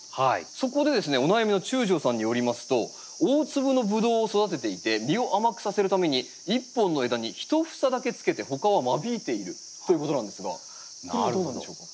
そこでですねお悩みの中條さんによりますと「大粒のブドウを育てていて実を甘くさせるために１本の枝に１房だけつけて他は間引いている」ということなんですがこれはどうなんでしょうか？